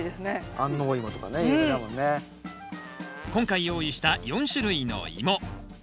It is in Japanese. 今回用意した４種類のイモ。